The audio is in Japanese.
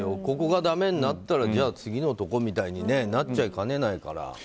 ここがだめになったらじゃあ次のところみたいになっちゃいかねないから。